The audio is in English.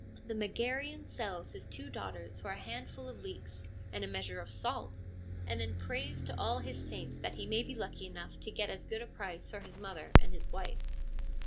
The Megarian sells his two daughters for a handful of leeks and a measure of salt, and then prays to all his saints that he may be lucky enough to get as good a price for his mother and his wife.